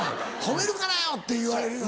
褒めるからよ！って言われるよな。